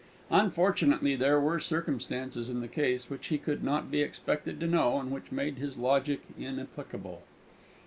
Unfortunately, there were circumstances in the case which he could not be expected to know, and which made his logic inapplicable.